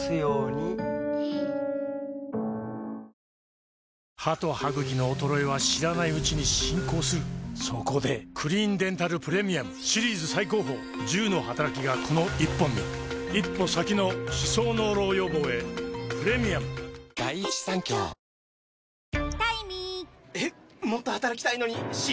明日からの１週間ですが歯と歯ぐきの衰えは知らないうちに進行するそこで「クリーンデンタルプレミアム」シリーズ最高峰１０のはたらきがこの１本に一歩先の歯槽膿漏予防へプレミアムプシューッ！